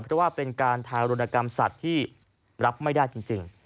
เพราะว่าเป็นการทารุณกรรมสัตว์ที่รับไม่ได้จริง